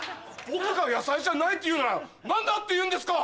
僕が野菜じゃないって言うなら何だっていうんですか！